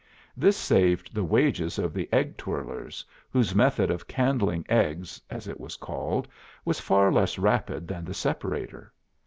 This saved the wages of the egg twirlers, whose method of candling eggs, as it was called, was far less rapid than the Separator.